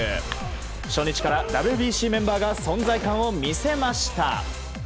初日からＷＢＣメンバーが存在感を見せました。